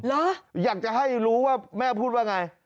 แล้วอยากจะให้รู้ว่าแม่พูดว่าอย่างไร